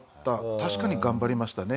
確かに頑張りましたね。